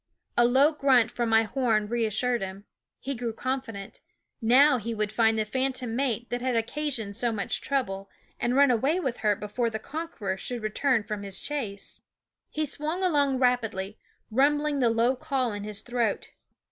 A low grunt from my horn reassured him ; he grew confident ; now he would find the phantom mate that had occasioned so much THE WOODS 9 trouble, and run away with her before the conqueror should return from his chase. He swung along rapidly, rumbling the low call in his throat.